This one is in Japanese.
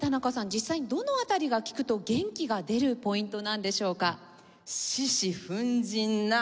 実際にどの辺りが聴くと元気が出るポイントなんでしょうか？